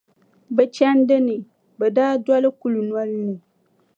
Bɛ chandi ni, bɛ daa doli kulinoli ni.